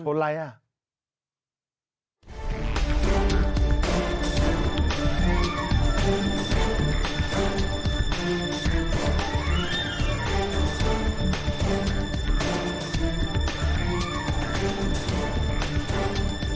ชนอะไรอ่ะ